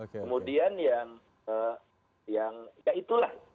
kemudian yang ya itulah